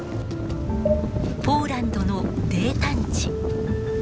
ポーランドの泥炭地